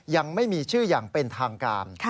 ยังไม่มีชื่ออย่างเป็นทางการ